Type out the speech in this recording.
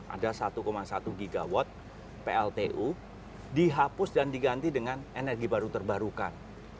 ada satu satu gigawatt pltu dihapus dan diganti dengan energi baru terbarukan